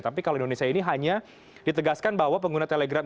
tapi kalau indonesia ini hanya ditegaskan bahwa pengguna telegram